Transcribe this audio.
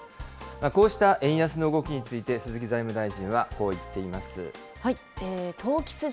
こうした円安の動きについて、鈴木財務大臣はこう言っています。